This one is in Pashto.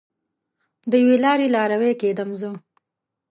د یوې لارې لاروی کیدم زه